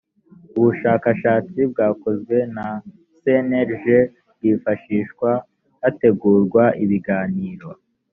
ubushakashatsi bwakozwe na cnlg bwifashishwa hategurwa ibiganiro